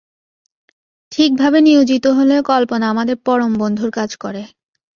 ঠিকভাবে নিয়োজিত হলে কল্পনা আমাদের পরম বন্ধুর কাজ করে।